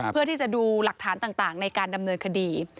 เพื่อที่จะดูหลักฐานต่างในการดำเนินคดี